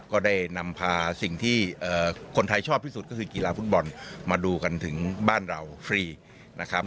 ก็ได้นำพาสิ่งที่คนไทยชอบที่สุดก็คือกีฬาฟุตบอลมาดูกันถึงบ้านเราฟรีนะครับ